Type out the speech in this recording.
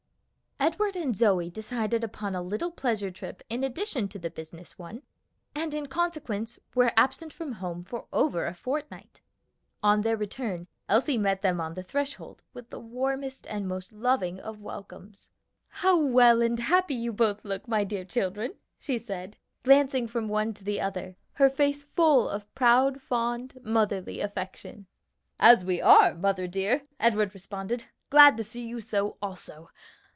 Edward and Zoe decided upon a little pleasure trip in addition to the business one, and, in consequence, were absent from home for over a fortnight. On their return, Elsie met them on the threshold with the warmest and most loving of welcomes. "How well and happy you both look, my dear children!" she said, glancing from one to the other, her face full of proud, fond, motherly affection. "As we are, mother dear," Edward responded. "Glad to see you so, also.